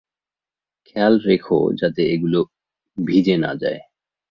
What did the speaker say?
খেয়াল রেখো যাতে এগুলো ভিজে না যায়।